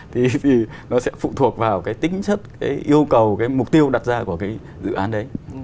thì nó sẽ phụ thuộc vào cái tính chất cái yêu cầu cái mục tiêu đặt ra của cái dự án đấy